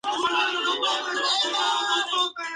El idioma Kuna y su cultura son diferentes a la de los Cueva.